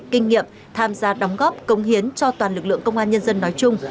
kinh nghiệm tham gia đóng góp công hiến cho toàn lực lượng công an nhân dân nói chung